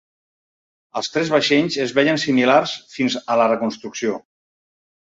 Els tres vaixells es veien similars fins a la reconstrucció.